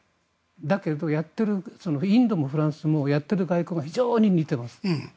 だけどインドもフランスもやってる外交が非常に似てます。